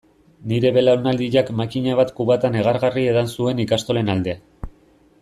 Nire belaunaldiak makina bat kubata negargarri edan zuen ikastolen alde.